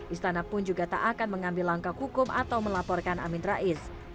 istana pun juga tak akan mengambil langkah hukum atau melaporkan amin rais